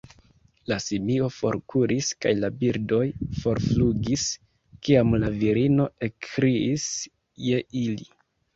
La simio forkuris kaj la birdoj forflugis, kiam la virino ekkriis je ili.